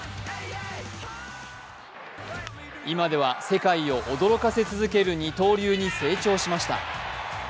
今では世界を驚かせ続ける二刀流に成長しました。